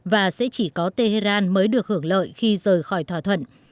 và sẽ chỉ có tehran mới được hưởng lợi khi rời khỏi thỏa thuận